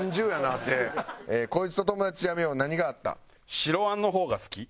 白アンの方が好き。